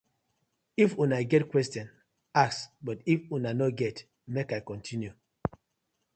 If una get question, ask but if una no get, mek I continue.